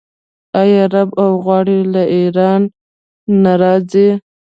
آیا رب او غوړي له ایران نه راځي؟